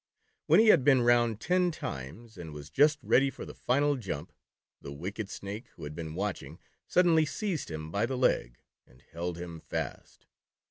When he had been round ten times and was just ready for the final jump, the wicked Snake, who had been watching, suddenly seized him by the leg, and held him fast.